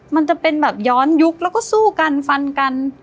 มันจะเป็นแบบย้อนยุคแล้วก็สู้กันฟันกัน